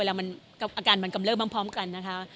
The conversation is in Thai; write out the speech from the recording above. อาการกำเลิกมันพร้อมกัน